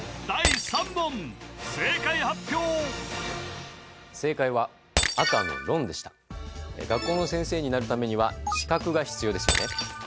第３問正解発表正解は赤のロンでした学校の先生になるためには資格が必要ですよね